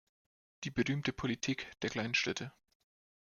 Die berühmte Politik der kleinen Schritte.